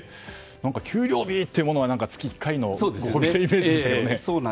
給料日というのものは月１回のイメージですよね。